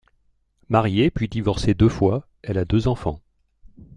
Mariée puis divorcée deux fois, elle a deux enfants.